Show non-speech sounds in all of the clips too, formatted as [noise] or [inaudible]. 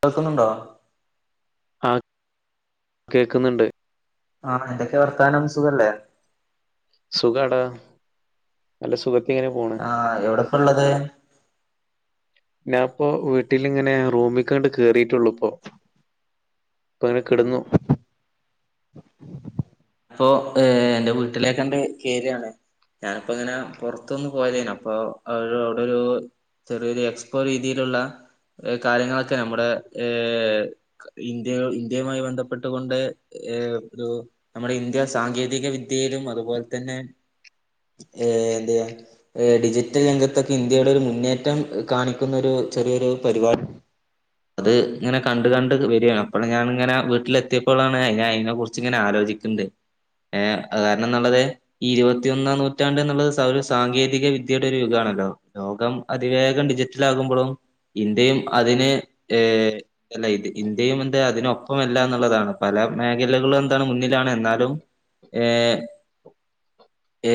കേൾക്കുന്നുണ്ടോ ആ കേക്കുന്നുണ്ട് ആഹ് എന്തൊക്കെ വർത്താനം സുഖല്ലേ സുഖാടാ നല്ല സുഖത്ത് ആഹ് എവിടെക്കൊള്ളത് ഞാപ്പൊ വീട്ടിലിങ്ങനെ റൂമിക്കണ്ട് കേറീട്ടെള്ളുപ്പോ ഇപ്പങ്ങനെ കെടന്നു ഇപ്പോ ഏ എന്റെ വീട്ടിലേക്കണ്ട് കേര്ആണ് ഞാനിപ്പോ ഇങ്ങനെ പൊറത്തൊന്ന് പോയലേനു അപ്പൊ അവിടെ അവിടൊരു ചെറിയൊരു എക്സ്പോ രീതിയിലൊള്ള എഹ് കാര്യങ്ങളൊക്ക നമ്മുടെ ഏ ഇന്ത്യ ഇന്ത്യയുമായി ബന്ധപ്പെട്ടുകൊണ്ട് ഏ തു നമ്മുടെ ഇന്ത്യ സാങ്കേതിക വിദ്യയിലും അതുപോല തന്നെ ഏ എന്ത്‌യേ ഏഹ് ഡിജിറ്റൽ രംഗത്തൊക്കെ ഇന്ത്യയുടെ ഒരു മുന്നേറ്റം ഇഹ് കാണിക്കുന്നൊരു ചെറിയൊരു പരിപാടി അത് ഇങ്ങനെ കണ്ട് കണ്ട് ക് വരാണ് അപ്പോൾ ഞാനിങ്ങനെ വീട്ടിലെത്തിയപ്പോളാണ് ഞാൻ അയിന കുറിച്ച് ഇങ്ങന ആലോചി ഇണ്ട് ഏ അത് വരണന്നുള്ളത് ഈ ഇരുപത്തിഒന്നാം നൂറ്റാണ്ട് എന്നുള്ളത് സ ഒരു സാങ്കേതിക വിദ്യയുടെ ഒരു യുഗാണ് [unintelligible] ലോകം അതിവേഗം ഡിജിറ്റലാകുമ്പൊളും ഇന്ത്യയും അതിന് ഏ അല്ല ഇത് ഇന്ത്യയും എന്താ അതിനൊപ്പംമല്ല എന്നുള്ളതാണ് പല മേഖലകളും എന്താണ് മുന്നിൽ ആണ് എന്നാലും ഏ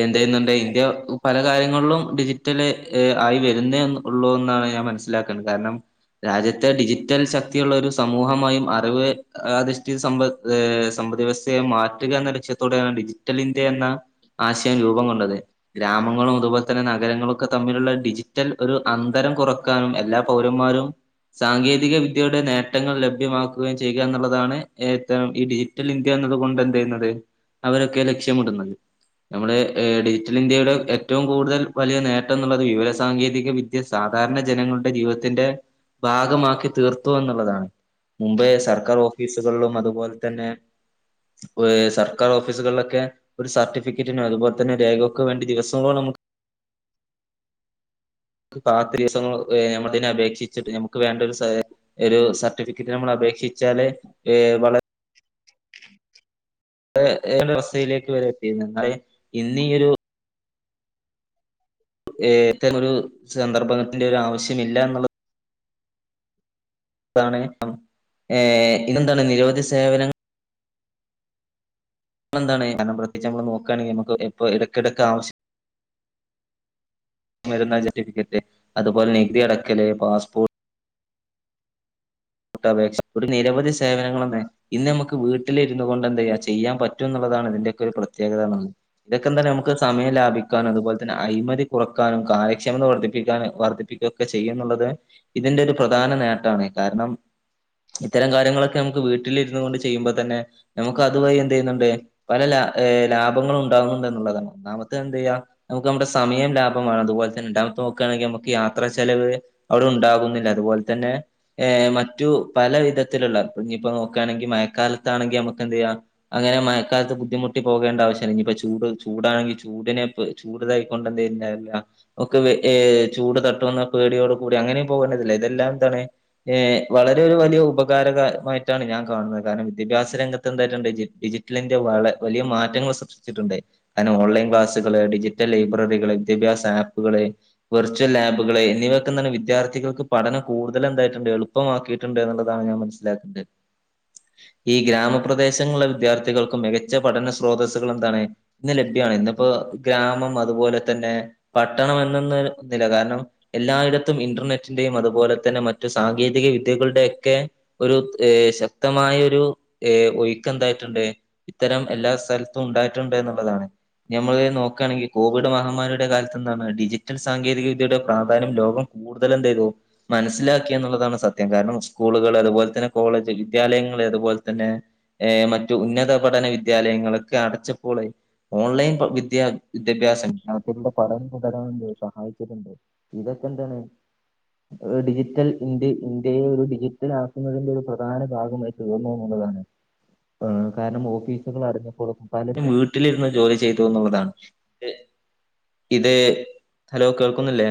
എന്തെന്നുണ്ട ഇന്ത്യ പല കാര്യങ്ങളിലും ഡിജിറ്റല് ഏ ആയി വരുന്നേ ന്ന് ഉള്ളൂ ന്നാണ് ഞ മനസ്സിലാക്കണം കാരണം രാജ്യത്തെ ഡിജിറ്റൽ ശക്തി ഒളെളാര് സമൂഹമായും അറിവ് അധിഷ്ഠിത സമ്പത് ഏ സമ്പത്ത് വ്യവസ് ത്തെ മാറ്റുക എന്ന ലക്ഷ്യത്തോടെ ആണ് ഡിജിറ്റൽ ഇന്ത്യ എന്ന ആശയം രൂപം കൊണ്ടത് ഗ്രാമങ്ങളും അതുപോല തന്നെ നഗരങ്ങളൊക്ക തമ്മിലുള്ള ഡിജിറ്റൽ ഒരു അന്തര കൊറക്കാനും എല്ലാ പൗരന്മാരും സാങ്കേതിക വിദ്യയുടെ നേട്ടങ്ങൾ ലഭ്യമാക്കുകയും ചെയ്യുക എന്നുള്ളതാണ് ഏ ത്തരം ഈ ഡിജിറ്റൽ ഇന്ത് എന്നത് കൊണ്ട് എന്ത് ചെയ്യുന്നത് അവരൊക്കെ ലക്ഷ്യമിടുന്നത് നമ്മുടെ ഏ ഡിജിറ്റൽ ഇന്ത്യയുടെ ഏറ്റവും കൂടുതൽ വലിയ നേട്ടം എന്നുള്ളത് വിവര സാങ്കേതിക വിദ്യ സാ സാധാരണ ജനങ്ങളുടെ ജീവിതത്തിന്റെ ഭാഗമാക്കി തീർത്തു എന്നുള്ളതാണ് മുമ്പേ സർക്കാർ ഓഫീസുകളിലും അതുപോലെ തന്നെ വൊഏ സർക്കാർ ഓഫീസുകളിലൊക്കെ ഒരു സർട്ടിഫിക്കറ്റിനോ അതുപോൽ തന്നെ രേഖകക്ക് വേണ്ടി ദിവസങ്ങളോളം നമ്മ്ക്ക് ക്ക് കാത്ത് ദിവസങ്ങളോ ഏ ഞമ്മളതിനെ അപേക്ഷിച്ചിട്ട് ഞമ്മ്ക്ക് വേണ്ടൊരു സ് തരേ ഒരു സർട്ടിഫിക്കറ്റിന് നമ്മള് അപേക്ഷിച്ചാല് ഏ വള എ എയ്യേണ്ട ഒര വസ്ഥയിലേക്ക് വരെ എത്തിരുന്നു നിങ്ങളേ ഇന്നീ ഒരു ഏത്തമൊരു സന്ദർഭനത്തിൻ്റെ ഒരു ആവശ്യം ഇല്ലാന്നുള്ളത് ഇതാണ് അം ഏ ഇതെന്താണ് നിരവധി സേവനങ്ങ [unintelligible] എന്താണ് കാരണം പ്രത്യേകിച്ച് നമ്മള് നോക്കുകയാണെങ്കി നമ്മുക്ക് എപ്പ എടക്കെടക്ക് ആവശ്യ വര്മാന ജർട്ടിഫിക്കറ്റ് അതുപോലെ നികുതി അടക്കല് പാസ്പോർ ട്ട അപേക്ഷ ഒട്ട് നിരവധി സേവനങ്ങളന്നെ ഇന്ന് നമ്മക്ക് വീട്ടിലിരുന്നു കൊണ്ട് എന്തെയ്യാ ചെയ്യാൻ പ റ്റുംന്നുള്ളതാണ് ഇതിന്റെയൊക്കെ ഒരു പ്രത്യേകത എന്നുള്ളത് ഇതൊക്കെ തന്നെ നമുക്ക് സമയം ലാഭിക്കാനും അതുപോലെ അഴിമതി കുറക്കാനും കാര്യക്ഷമത വർദ്ധിപ്പിക്കാന് വർദ്ധിപ്പിക്കുകയൊക്കെ ചെയ്യുന്നുള്ളത് ഇതിന്റെ ഒരു പ്രധാ ധാന നേട്ടആണ് കാരണം ഇത്തരം കാര്യങ്ങളൊക്കെ നമ്മക്ക് വീട്ട്ലിര്ന്ന്കൊണ്ട് ചെയ്യുമ്പതന്നെ നമ്മക്ക് അത് വഴി എന്ത് ചെയ്യ്ന്ന്ണ്ട് പല ലാ [unintelligible] ലാഭങ്ങളുണ്ടാവുന്നുള്ളതാണ് ഒന്നാമത്തെ എന്തെയ്യാ നമ്മക്ക് നമ്മുടെ സമയം ലാഭമാണ് അതുപോലെ തന്നെ രണ്ടാമത്തതോ നോക്കാണെങ്കി നമ്മക്ക് യാത്രാ ചെലവ് അവിടെ ഉണ്ടാവുന്നില്ല അതുപോലെ തന്നെ ഏ മ മറ്റു പല വിധത്തില്ള്ള ഇഞ്ഞിപ്പോ നോക്കാണെങ്കി മഴക്കാലത്താണെങ്കി നമ്മക്ക് എന്ത്യ്യാ അങ്ങനെ മഴക്കാലത്ത് ബുദ്ധിമുട്ടി പോകേണ്ട ആവശ്യല്ല. ഇഞ്ഞിപ്പ ചൂട് ചൂടാണെങ്കിൽ ചൂടിനെ ചൂട് ഇതായിക്കൊണ്ട് എന്ത ഇല്ല ഒക്കെ ഏ ചൂട് തട്ടന്ന പേടിയോട് കൂടി അങ്ങനെയും പോകേണ്ടതില്ല ഇതെല്ലാം തന്നെ ഏഹ് വളരെ ഒരു വലിയ ഉപകാരകമായിട്ടാണ് ഞാൻ കാണുന്നത് കാരണം വിദ്യാഭ്യാസ രംഗത്ത് എന്തായി ഡിജിറ്റൽ ഇന്ത്യ വളെ വലിയ മാറ്റങ്ങൾ സൃഷ്ടിച്ച്ട്ട് ണ്ട്. കരണം ഓൺലൈൻ ക്ലാസ്കള്, ഡിജിറ്റൽ ലൈബ്രറികള് വിദ്യാഭ്യാസ ആപ് പ്പ്കള്, വെർച്വൽ ലാബുകള് എന്നിവയൊക്കെഎന്തണ് വിദ്യാത്ഥികൾക്ക് പഠനം കടുതല് എന്തായിട്ട്ണ്ട് എള്പ് പ്പമാക്കീട്ട്ണ്ട് ന്ന്ള്ളതാണ് ഞാൻ മനസ്സിലാക്ക്ന്നത്. ഈ ഗ്രാമപ്രദേശങ്ങളിലെ വിദ്യാർത്ഥികൾക്ക് മികച്ച പഠന സ്രോതസ്സുകൾ എന്താണ് ഇന്ന് ലഭ്യ ണ് ഇന്ന്പ്പോ ഗ്രാമം അതുപോലെ തന്നെ പട്ടണം എന്നൊന്ന് ല്ല കാരണം എല്ലായിട ത്തും ഇന്റർനെറ്റിന്റെയും അതുപോലെ തന്നെ മറ്റ് സാങ്കേതി ക വിദ്യകളുടെ ഒക്കെ ഒരു ശക്തമായ ഒരു എ ഒയ്ക്ക് എന്തായിട്ട്ണ്ട് ഇത്തരം എല്ലാ സ്ഥലത്തും ഉണ്ടായിട്ട്ണ്ട്ന്ന്ള്ളതാണ് ഞ്ഞിമ്മള് നോക്കാണെങ്കി കോവിഡ് മഹാമാരിയുടെ കാലത്ത് എന്താണ് ഡിജിറ്റൽ സാങ്കേതിക വിദ്യയുടെ പ്രാധാന്യം ലോകം കൂടുതലലെന്തേയ്‌തു മനസ്സിലാക്കിഎന്ന്ള്ളതാണ് സത് ത്യം കാരണം സ്കൂള്കള് അതുപോലെ തന്നെ കോളേജ്, വിദ്യാലയങ്ങള് അത്പോലെ തന്നെ ഏ മറ്റു ഉന്നത പഠന വിദ്യാലയങ്ങളക്കെ അടച്ചപ്പോളെ ഓൺലൈൻ പ വിദ്യ വിദ്യാഭ്യാസത്തിലൂടെ പഠനം തുടരാൻ ണ്ട് സഹായിച്ച്ട്ട്ണ്ട് ഇതൊ ഇതെന്തണ് ഡിജിറ്റൽ ഇന്ന്തെയ് ഇൻ ന്ത്യ ഒരു ഡിജിറ്റലാക്കുന്നതിന്റെ ഒരു പ്രധാന ഭാഗമായി തീർന്നു ന്നുള്ളതാണ്. ആഹ് കാരണം ഓഫീസുകൾ അടഞ്ഞപ്പോളും പലരും വീട്ടിലിര്ന്ന് ജോലി ചെയ്തൂന്ന്ള്ളതാണ്. ഇത് ഹലോ കേൾക്കുന്നില്ലേ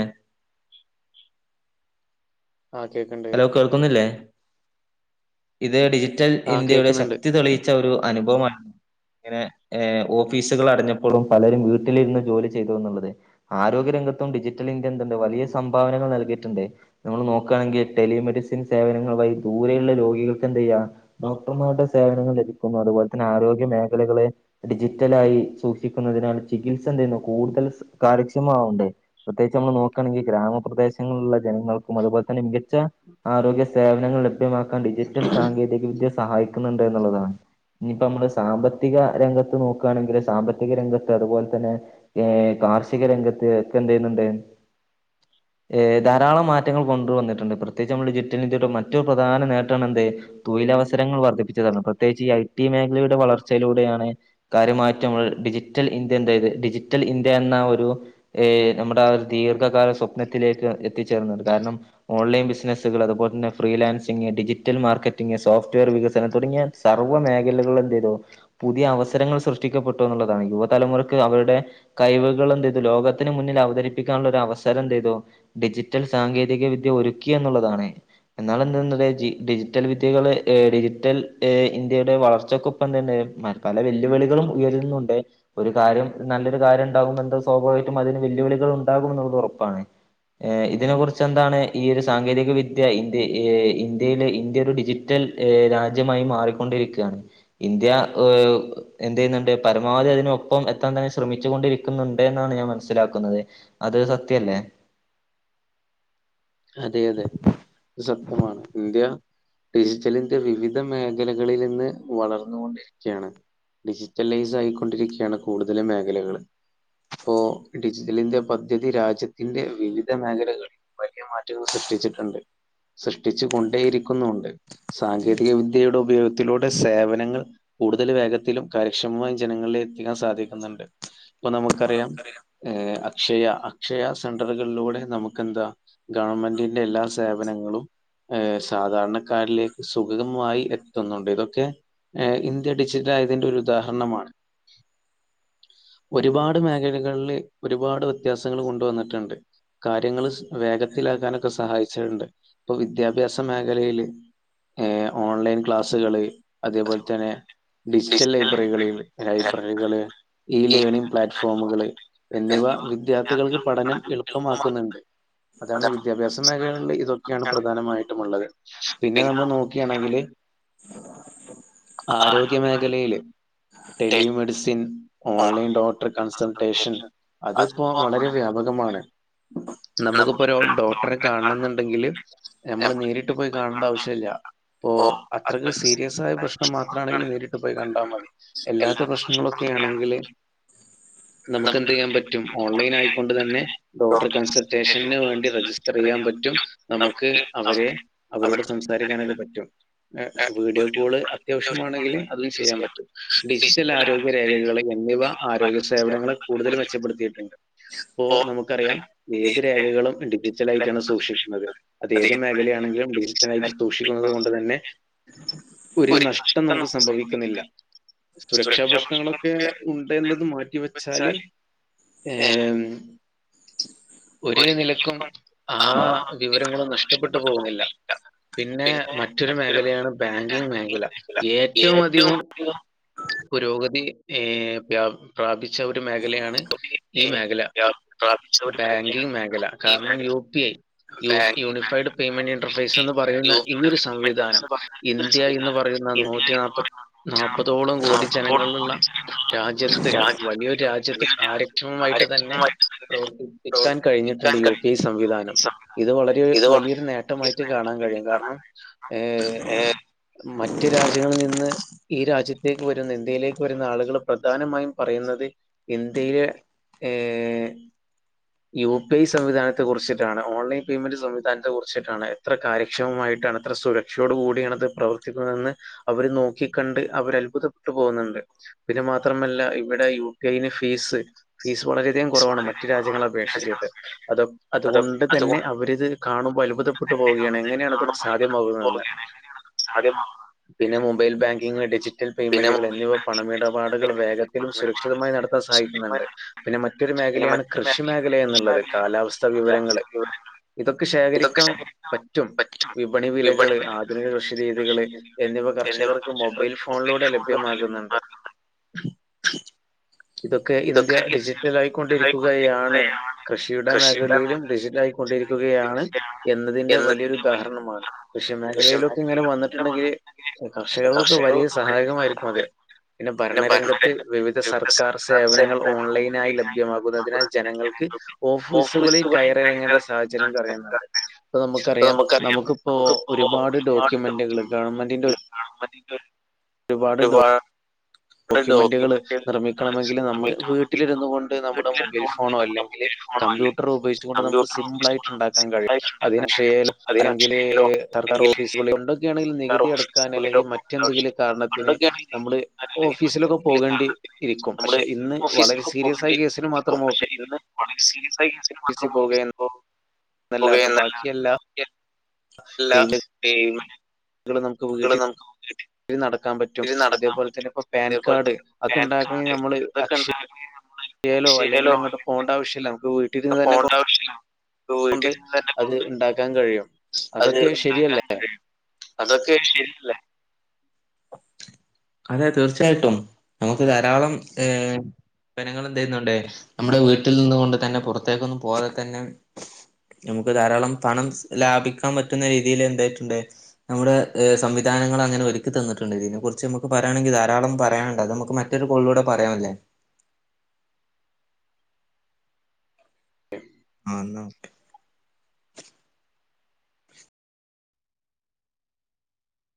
ആഹ് കേക്ക്ണ്ട് ഹലോ കേക്ക്ണ്ട്. കേൾക്കുന്നില്ലേ ഇത് ഡിജി റ്റൽ ആഹ് ഇന്ത്യയുടെ കേക്കുന്നുണ്ട്. ശക്തി തെളീച്ച ഒരു അനുഭവമ [inaudible] ഇങ്ങനെ ഏ ഓഫീസുകള് അടഞ്ഞപ്പളും പലരും വീട്ടിലിര്ന്ന് ജോലി ചെയ്തൂന്ന്ള്ളത് ആരോഗ്യരംഗ ത്തും ഡിജിറ്റൽ ഇന്ത്യ എന്ത്ണ്ട് വലിയ സംഭാവനകൾ നൽകിട്ട്ണ്ട്. നമ്മള് നോക്കാണെങ്കി ടെലിമെഡിസിൻ സേവനങ്ങൾ വയി ദൂരെയുള്ള രോഗികൾക്ക് എന്തേയ്യാ ഡോക്ടർമാരുടെ സേവനങ്ങൾ ലഭിക്കുന്നു. അത് അതുപോലെ തന്നെ ആരോഗ്യ മേഖലകളെ ഡിജിറ്റലായി സൂക്ഷിക്കുന്നതിനാൽ ചികിത്സന്ത് ചെയ്യുന്നു കൂടുതൽ കാര്യക്ഷമ മാവണ്ടേ? പ്രത്യേകിച്ച് നമ്മള് നോക്കാണെങ്കി ഗ്രാമപ്രദേശങ്ങളില്ള്ള ജനങ്ങൾക്കും അതുപോലെ തന്നെ മികച്ച ആരോഗ്യ സേവനങ്ങൾ ലഭ്യമാക്കാൻ ഡിജിറ്റൽ സാങ്കേതിക വിദ്യ സഹായിക്ക്ന്ന്ണ്ട് ന്ന്ള്ളതാണ്. ഞ്ഞിപ്പമ്മള് സാമ്പത്തിക രംഗത്ത് നോക്കാണെങ്കില് സാമ്പത്തിക രംഗത്ത് അതുപോലെ തന്നെ ഏ കാ കാർഷിക രംഗത്ത് ഒക്കെന്തെയ്യ്ണ് ണ്ട് [inaudible] ഏ ധാരാളം മാറ്റങ്ങൾ കൊണ്ട് വന്നിട്ട്ണ്ട്. പ്രത് പ്രത്യേകിച്ച് നമ്മളെ ഡിജിറ്റൽ ഇന്ത്യയുടെ മറ്റു പ്രധാന നേട്ടാണ് എന്ത് തൊയിലവസരങ്ങൾ വർദ്ധപ്പിച്ചതാണ് പ്രത്യേകിച്ച് ഈ ഐ ടി മേഖലയുടെ വളർച്ചയിലൂടെയാണ് കാര്യമായിറ്റ് ഞമ്മള് ഡിജിറ്റൽ ഇന്ത്യ എന്തായത് ഡിജിറ്റൽ ഇന്ത്യ എന്ന ഒ രു ഏ നമ്മുടെ ആ ഒരു ദീർഘകാല സ്വപ്നത്തിലേക്ക് എത്തിച്ചേർന്നത് കാരണം ഓൺലൈൻ ബിസി സ്നസ്സ്കള് അത്പോലതന്നെ freelancing, digital marketing software വികസനം തുടങ്ങി സർവ്വ മേഖല കളിലും എന്തേയ്തു പുതിയ അവസരങ്ങൾ സൃഷ്ടിക്കപ്പെട്ടുന്ന്ള്ളതാണ്. യുവതലമുറക്ക് അവരുടെ കയിവുകള് ഇത് ലോകത്തിന് മുന്നിൽ അവതരിപ്പിക്കാനുള്ള ഒരു അവസരന്തേയ്തു ഡിജിറ്റൽ സാങ്കേതിക വിദ്യ ഒരു ക്കി എന്നുള്ളതാണ് എന്നാല എന്താ ഡിജിറ്റൽ വിദ്യകള് ഡിജിറ്റൽ ഏ ഇന്ത്യയുടെ വളർച്ചക്കൊപ്പം തന്നെ പല വെല്ലുവിളികളും ഉയരുന്നുണ്ട് ഒരു കാര്യം നല്ലൊരു കാര്യണ്ടാകുമ്പോ എന്താ സ്വാഭാവികമായിട്ടും അതിന് വെല്ലുവിളികൾ ഉണ്ടാകുന്നുള്ളത് ഉറപ്പാണ് ഇതിനെ കുറിച്ചെന്താണ് ഈ ഒരു സാങ്കേതിക വിദ്യ ഏ ഇന്ത്യ ഇന്ത്യയിലെ ഇന്ത്യ ഒരു ഡിജിറ്റൽ രാജ്യമായി മാറിക്കൊണ്ടിരിക്കാ ണ് ഇന്ത്യ എന്ത് ചെയ്യ്ന്നുണ്ട് പരമാവധി അതിനൊപ്പം എത്താൻ തന്നെ ശ്രമിച്ചൊണ്ടിരിക്കുന്ന്ണ്ട്. ഉണ്ടെന്ന് എന്നാണ് ഞാൻ മനസ്സിലാക്കുന്നത് അത് സത്യല്ലേ അതെ അതെ സത്യമാണ് ഇന്ത്യ ഡിജിറ്റലിന്റെ വിവിധ മേഖലകളിൽ നിന്ന് വളർന്നുകൊണ്ടിരിക്കയാണ് ഡിജിറ്റലൈസ് ആയിക്കൊണ്ടിരിക്കുകയാണ് കൂടുതലും മേഖലകൾ ഇപ്പോ ഡിജിറ്റലിൻ്റെ പദ്ധതി രാജ്യത്തിന്റെ വിവിധ മേഖലകളിൽ മാറ്റങ്ങൾ സൃഷ്ടിച്ചിട്ടുണ്ട് സൃഷ്ടിച്ചു കൊണ്ടേയിരിക്കുന്നുണ്ട് സാങ്കേതിക വിദ്യയുടെ ഉപയോഗത്തിലൂടെ സേവനങ്ങൾ കൂടുതൽ വേഗത്തിലും കാര്യക്ഷമമായി ജനങ്ങളിലെ എത്തിക്കാൻ സാധിക്കുന്നുണ്ട് ഇപ്പൊ നമുക്കറിയാം ഏഹ് അക്ഷയ അക്ഷയ സെന്ററുകളിലൂടെ നമുക്ക് എന്താ ഗവൺമെന്റിന്റെ എല്ലാ സേവനങ്ങളും ഏഹ് സാധാരണക്കാരിലേക്ക് സുഗമമായി എത്തുന്നുണ്ട് ഇതൊക്കെ ഏർ ഇന്ത്യ ഡിജിറ്റൽ ആയതിൻ്റെ ഒരു ഉദാഹരണമാണ് ഒരുപാട് മേഖലകളിൽ ഒരുപാട് വ്യത്യാസങ്ങൾ കൊണ്ടുവന്നിട്ടുണ്ട് കാര്യങ്ങൾ വേഗ ത്തിലാക്കാനൊക്കെ സഹായിച്ചിട്ടുണ്ട് ഇപ്പൊ വിദ്യാഭ്യാസ മേഖലയില് ഏഹ് ഓൺലൈൻ ക്ലാസുകള് അതേപോലെ തന്നെ ഡിജിറ്റൽ ലൈബ്രറികളിൽ ലൈബ്രറികള് ഈ ലേണിംഗ് പ്ലാറ്റ്ഫോമുകള് എന്നിവ വിദ്യാർത്ഥികൾക്ക് പഠനം എളുപ്പമാക്കുന്നുണ്ട് അതാണ് വിദ്യാഭ്യാസ മേഖലകളില് ഇതൊക്കെയാണ് പ്രധാനമായിട്ടും ഉള്ളത് പിന്നെ നമ്മള് നോക്കുകയാണെങ്കില് ആരോഗ്യ മേഖലയില് ടെലിമെഡിസിൻ ഓൺലൈൻ ഡോക്ടർ കൺസൾട്ടേഷൻ അതിപ്പോ വളരെ വ്യാപകമാണ് നമുക്ക് ഇപ്പോ ഒരു ഡോക്ടറെ കാണണം എന്നുണ്ടെങ്കില് നമ്മള് നേരിട്ട് പോയി കാണേണ്ട ആവശ്യം ഇല്ല അപ്പോ അത്രയ്ക്ക് സീരിയസായ പ്രശ്നം മാത്രമാണെങ്കില് നേരിട്ട് പോയി കണ്ടാൽ മതി അല്ലാത്ത പ്രശ്നങ്ങളൊക്കെ ആണെങ്കില് നമുക്ക് എന്ത് ചെയ്യാൻ പറ്റും ഓൺലൈൻ ആയിക്കൊണ്ട് തന്നെ ഡോക്ർ കൺസൽട്ടേഷ ന് വേണ്ടി രജിസ്റ്റർ ചെയ്യാൻ പറ്റും നമുക്ക് അവരെ അവരോട് സംസാരിക്കാനൊക്കെ പറ്റും പിന്നെ വീഡിയോ കോള് അത്യാവശ്യമാണെങ്കിൽ അതും ചെയ്യാൻ പറ്റും ഡിജിറ്റൽ ആരോഗ്യ രേഖകൾ എന്നിവ ആരോഗ്യ സേവനങ്ങളെ കൂടുതൽ മെച്ചപ്പെടുത്തിയിട്ടുണ്ട് അപ്പോ നമുക്കറിയാം ഏത് രേഖകളും ഡിജിറ്റല് ആയിട്ടാണ് സൂക്ഷിക്കുന്നത് അത് ഏത് മേഖല ആണെങ്കിലും ഡിജിറ്റലായിട്ട് സൂക്ഷിക്കുന്നത് കൊണ്ട് ത ന്നെ ഒരു നഷ്ടം നമുക്ക് സംഭവിക്കുന്നില്ല സുരക്ഷാ പ്രശ്നങ്ങളൊക്കെ ഉണ്ട് എന്നത് മാറ്റിവെച്ചാല് ഏ ഒരേ നിലക്കും ആ വിവരങ്ങള് നഷ്ടപ്പെട്ട് പോകുന്നില്ല പിന്നെ മറ്റൊരു മേഖലയാണ് ബാങ്കിങ് മേഖല ഏറ്റവും അധികം പുരോഗതി ഏ പ്ര പ്രാപിച്ച ഒരു മേഖലയാണ് ഈ മേഖല [unintelligible] ബാങ്കിങ് മേഖല കാരണം U P I U P unified payment interface എന്ന് പറയുന്ന ഈയൊരു സംവിധാനം ഇന്ത്യ എന്ന് പറയു ന്ന നൂറ്റി നാല്‌പത്തി നാല്പ്പതോളം കോടി ജനങ്ങളുള്ള രാജ്യത്ത് വലിയൊരു രാ ജ്യത്ത് കാര്യക്ഷമമായിട്ട് തന്നെ പ്രവർത്തി ക്കാൻ കഴിഞ്ഞിട്ടുണ്ട് യു പി ഐ സംവിധാനം ഇത് വളരെ വലിയൊരു നേട്ടമായി റ്റ് കാണാൻ കഴിയും കാരണം ഏഹ് മറ്റു രാജ്യങ്ങളിൽ നിന്ന് ഈ രാജ്യത്തേക്ക് വരുന്ന ഇന്ത്യയിലേക്ക് വരുന്ന ആളുകള് പ്രധാനമായും പറ പറയുന്നത് ഇന്ത്യയിലെ ഏഹ് യു പി ഐ സംവിധാനത്തെ കുറിച്ചിട്ടാണ് ഓൺലൈൻ പേയ്മെന്റ് സംവിധാനത്തെ കുറിച്ചിട്ടാണ് എത്ര കാര്യക്ഷമമായിട്ട് ട്ടാണ് എത്ര സുരക്ഷയോട് കൂടിയാണ്ത് പ്രവർത്തിക്കുന്നതെന്ന് അവര് നോക്കിക്കണ്ട് അവര അത്ഭുതപ്പെട്ടു പോകുന്നുണ്ട് പിന്നെ മാത്രമല്ല ഇവിടെ യു പി ഐന് ഫീസ് ഫീസ് വളരെയധികം കുറവാണ് മറ്റു രാജ്യങ്ങളെ അ അപേക്ഷിച്ചിട്ട് അത് അതുകൊണ്ട് തന്നെ അവരിത് കാണുമ്പോൾ അത്ഭുതപ്പെട്ട് പോവുകയാണ് എങ്ങനെയാണ് ഇത് സാധി സാധ്യമാകുന്നന്ന് അതെ [unintelligible] മൊബൈൽ ബങ്കിങ്ങ് ഡിജിറ്റ റ്റൽ പെയ്മെന്റ്കള് എന്നിവ പണമിടപാടുകൾ വേഗത്തിലും സുരക്ഷിതമായി നടത്താൻ സഹായിക്കുന്നുണ്ട് പിന്നെ മറ്റൊരു മേഖലയാണ് കൃഷി മേഖലാ എന്നുള്ളത് കാലാവസ്ഥാ വിവരങ്ങള് ഇതൊക്കെ ശേഖരിക്കാൻ പറ്റും വിപണി വിലകള് ആധുനിക കൃഷി രീതികള് എന്നിവ കർഷകർക്ക് മൊബൈൽ ഫോ ഫോണിലൂടെ ലഭ്യമാകുന്നുണ്ട് ഇതൊക്കെ ഇന്ത്യ ഡിജിറ്റലായിക്കൊണ്ടിരിക്കുകയാണ് ണ് കൃഷിയുടെ മേഖലയിലും ടിജിറ്റായിക്കൊണ്ടിരിക്കുകയാണ് എന്നതിന്റെ വലിയൊരു ഉദാഹരണമാ ണ് കൃഷി മേഖലയിലൊക്കെ ഇങ്ങനെ വന്നിട്ടുണ്ടെങ്കില് കർഷകർക്കൊക്കെ വലിയ സഹായകമായിരിക്കും അത് പിന്നെ ഭരണരംഗത്ത് വിവിധ സർക്കാർ സേവനങ്ങൾ ഓൺലൈനായി ലഭ്യമാകുന്നതിനാൽ ജനങ്ങൾക്ക് ഓഫീസുകളിൽ കയറിറങ്ങേണ്ട സാഹചര്യപറയുന്നുണ്ട് അ നമുക്കറിയാം നമുക്കിപ്പോ ഒരുപാട് ഡോക്യൂമെന്റുകളെ ഗവൺമെന്റിന്റെ ഒരുപാട് ഡോ ഡോക്യുമെന്റുകൾ നിർമ്മിക്കണമെങ്കിൽ നമ്മളെ വീട്ടിലിരുന്നു കൊണ്ട് നമ്മുടെ മൊബൈൽ ഫോണോ അല്ലെങ്കിൽ കമ്പ്യൂട്ടർ ഉപയോഗിച്ചു കൊണ്ട് നമുക്ക് സിംപിൾ ആയിട്ട് ഉണ്ടാക്കാൻ കഴിയും അതിനെക്ഷയേൽ അല്ലെങ്കിൽ സർക്കാർ ഓഫീസുക എന്തൊക്കെയാണെങ്കിൽ നികുതി എടുക്കാൻ അല്ലെങ്ക മറ്റെന്തെങ്കിലും കാരണത്തിനെ നമ്മളെ ഓഫീസിലൊക്കെ പോകേണ്ടി ഇരിക്കും പക്ഷെ ഇന്ന് വളരെ സീരിയസ ആ കേസിന് മാത്രം ഓഫ അ ശരി സി പോകയല്ലാതെ ബാക്കിയല്ല അല്ല അൾ നമുക്ക് വീട്ടിൽ നടക്കാൻ പറ്റും അതേപോലെ തന്നെ ഇപ്പൊ പാൻ കാഡ് ഒക്കെ ഉണ്ടാക്കണെിൽ നമ്മള് അക്ഷ ലോ അല്ലങ്കിൽ അങ്ങോട്ട പോകണ്ടവശ്യമല്ല ഇ പോണ്ടാവശ്യല്ല ണ്ട് അത് ഉണ്ടാക്കാൻ കഴിയും അത് അതൊക്കെ ശരിയല്ലേ? ഉണ്ടാക്കാൻ പറയ് അതൊക്കെ ശരിയല്ലേ [inaudible] അതെ തീർച്ചയായിട്ടും നമുക്ക് ധാരാളം ഏ ജനങ്ങൾ എന്ത ചെയ്യുന്നുണ്ടേ നമ്മുടെ വീട്ടിൽ നിന്ന്ുക കൊണ്ട് തന്നെ പുറത്തേക്കൊന്നും പോതെ തന്നെ നമുക്ക് ധാരാളം പണം ലാഭിക്കാൻ പറ്റുന്ന രീതിയിൽ എന്തായിട്ടുണ്ട് നമ്മുടെ സംവിധാനങ്ങൾ അങ്ങനെ ഒരുക്കി തന്നിട്ടുണ്ട് ഇ കുറിച്ച് നമുക്ക് പറയാണെങ്കിൽ ധാരളംയാനുണ്ട് അ നമുക്ക് മറ്റൊരു കോളിലൂടെ പറയാംല്ലേ [inaudible] ആഹ എന്നാ ഓക്കെ